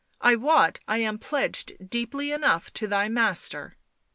" I wot I am pledged deeply enough to thy Master."